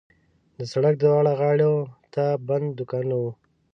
د سړک دواړو غاړو ته بند دوکانونه وو.